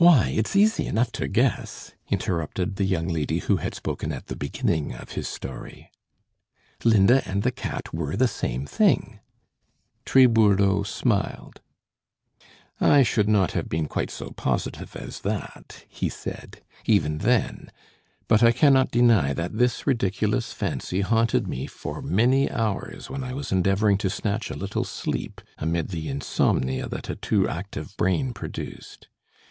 "Why, it's easy enough to guess," interrupted the young lady who had spoken at the beginning of his story. "Linda and the cat were the same thing." Tribourdeaux smiled. "I should not have been quite so positive as that," he said, "even then; but I cannot deny that this ridiculous fancy haunted me for many hours when I was endeavoring to snatch a little sleep amid the insomnia that a too active brain produced.